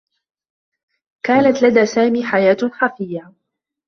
كانت لدى سامي حياة خفيّة.